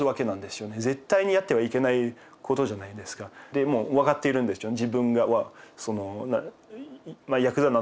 でもう分かっているんですよね